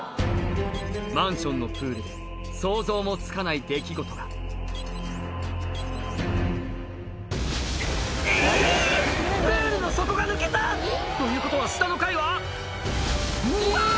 マンションのプールで想像もつかない出来事がえぇ⁉プールの底が抜けた！ということは下の階はうわ！